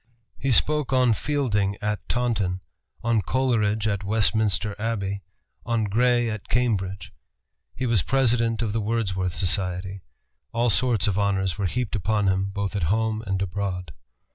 He spoke on Fielding at Taunton, on Coleridge at Westminster Abbey, on Gray at Cambridge. He was President of the Wordsworth Society. All sorts of honors were heaped upon him, both at home and abroad.